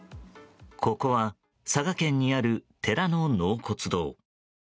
ここは佐賀県にある寺の納骨堂。